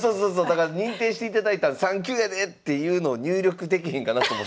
だから認定していただいたの３級やでっていうのを入力できひんかなと思ってます。